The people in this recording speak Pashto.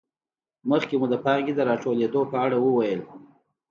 مخکې مو د پانګې د راټولېدو په اړه وویل